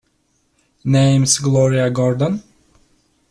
Name's Gloria Gordon?